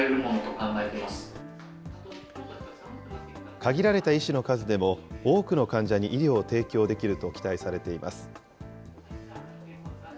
限られた医師の数でも、多くの患者に医療を提供できると期待されています。